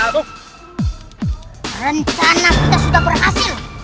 rencana kita sudah berhasil